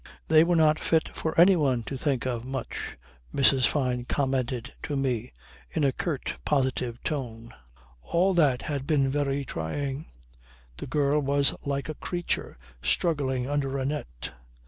They were not fit for anyone to think of much, Mrs. Fyne commented to me in a curt positive tone. All that had been very trying. The girl was like a creature struggling under a net.